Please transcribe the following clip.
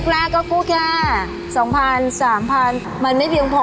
นักราก็กู้แก่สองพันสามพันมันไม่เพียงพอ